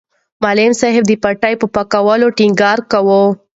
معلم صاحب د پټي په پاکوالي ټینګار کاوه.